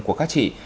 của các chị